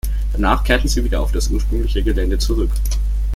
Danach kehrten sie wieder auf das ursprüngliche Gelände zurück.